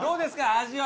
味は！